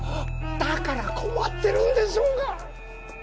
だから困ってるんでしょうが！